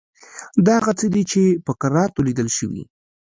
دا هغه څه دي چې په کراتو لیدل شوي.